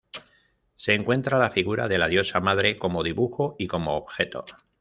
Se encuentra la figura de la Diosa Madre como dibujo y como objeto.